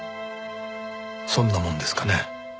そんなもんですかね？